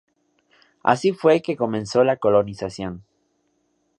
Así fue que comenzó la colonización.